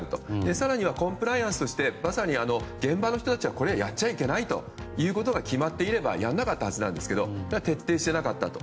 更にコンプライアンスとしてまさに現場の人たちはこれやっちゃいけないということが決まっていればやっていませんので徹底していなかったと。